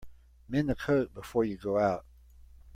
Mend the coat before you go out.